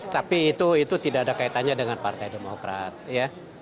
tapi itu tidak ada kaitannya dengan partai demokrat ya